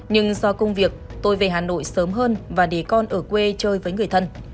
nhưng do công việc tôi về hà nội sớm hơn và để con ở quê chơi với người thân